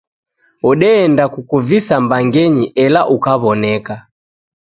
Odeenda kukuvisa mbangeni ela ukaw'oneka.